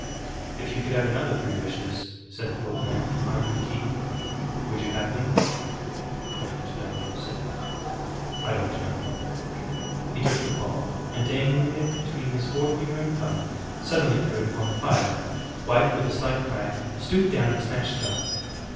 "If you could have another three wishes," said the old man, eyeing him keenly, "would you have them?" "I don't know," said the other. "I don't know." He took the paw, and dangling it between his forefinger and thumb, suddenly threw it upon the fire. White, with a slight cry, stooped down and snatched it off.